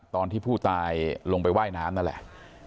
ตอนที่ผู้ตายลงไปว่ายน้ำนั่นแหละ